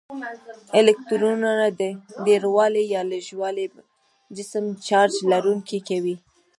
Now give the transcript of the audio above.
الکترونونو ډیروالی یا لږوالی جسم چارج لرونکی کوي.